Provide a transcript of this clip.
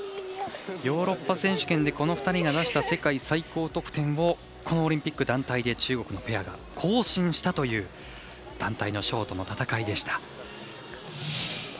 ヨーロッパ選手権でこの２人が出した世界最高得点をこのオリンピック団体で中国のペアが更新したという団体のショートの戦いでした。